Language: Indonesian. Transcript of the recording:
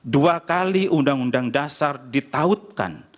dua kali undang undang dasar ditautkan